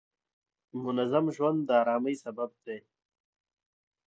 منظم ژوند د آرامۍ سبب دی.